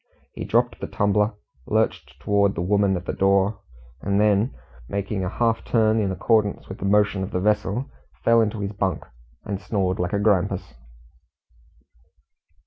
He dropped the tumbler, lurched towards the woman at the door, and then making a half turn in accordance with the motion of the vessel, fell into his bunk, and snored like a grampus.